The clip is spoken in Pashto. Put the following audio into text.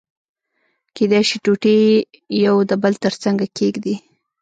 کېدای شي ټوټې يو د بل تر څنګه کېږدي.